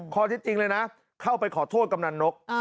ที่จริงเลยนะเข้าไปขอโทษกำนันนก